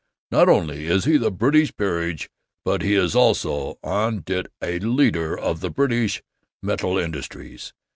Not only is he of the British peerage, but he is also, on dit, a leader of the British metal industries.